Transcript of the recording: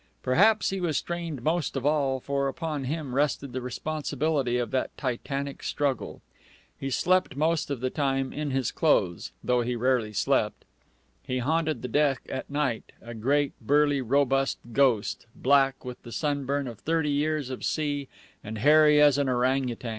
Perhaps he was strained most of all, for upon him rested the responsibility of that titanic struggle. He slept most of the time in his clothes, though he rarely slept. He haunted the deck at night, a great, burly, robust ghost, black with the sunburn of thirty years of sea and hairy as an orang utan.